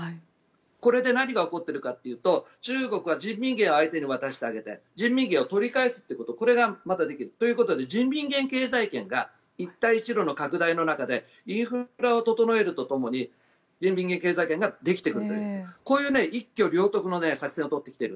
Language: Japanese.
これで何が起こっているかというと中国は人民元を相手に渡してあげて人民元を取り返すということができるということで人民元経済圏が一帯一路の拡大の中でインフラを整える中で人民元経済圏ができてくるという一挙両得の作戦を取ってきている。